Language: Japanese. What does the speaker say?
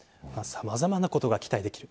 さまざまなことが期待できる。